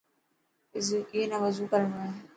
اي نا وضو ڪرڻو هي.